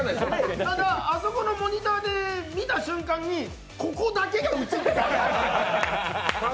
ただ、あそこのモニターて見た瞬間に、ここだけが映ってた。